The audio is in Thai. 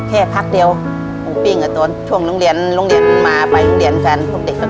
ทับผลไม้เยอะเห็นยายบ่นบอกว่าเป็นยังไงครับ